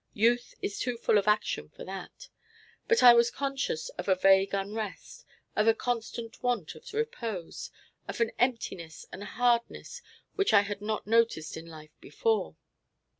Youth is too full of action for that. But I was conscious of a vague unrest, of a constant want of repose, of an emptiness and hardness which I had not noticed in life before.